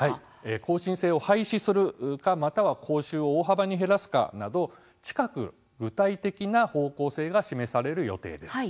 更新制を廃止するかまたは講習を大幅に減らすかなど近く、具体的な方向性が示される予定です。